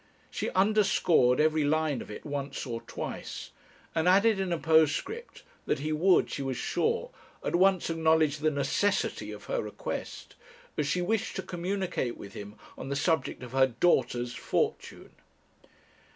She underscored every line of it once or twice, and added, in a postscript, that he would, she was sure, at once acknowledge the NECESSITY of her request, as she wished to communicate with him on the subject of her DAUGHTER'S FORTUNE.